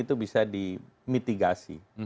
itu bisa dimitigasi